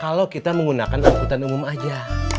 kalau kita menggunakan angkutan umum aja